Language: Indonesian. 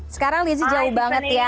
sekarang lizzie jauh banget ya